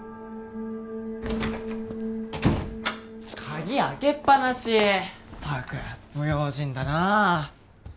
鍵開けっぱなしったく不用心だな